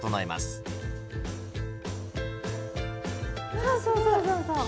そうそうそうそうそう。